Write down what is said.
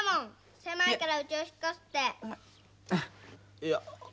いや。